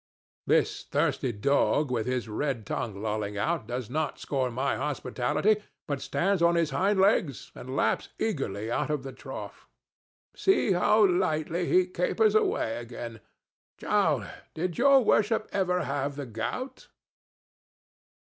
This thirsty dog with his red tongue lolling out does not scorn my hospitality, but stands on his hind legs and laps eagerly out of the trough. See how lightly he capers away again!—Jowler, did your worship ever have the gout?